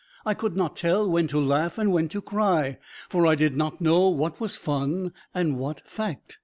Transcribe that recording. I could not tell when to laugh and when to cry, for I did not know what was fun and what fact."